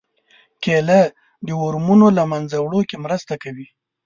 کېله د ورمونو له منځه وړو کې مرسته کوي.